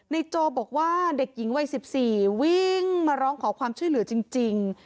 โจบอกว่าเด็กหญิงวัย๑๔วิ่งมาร้องขอความช่วยเหลือจริง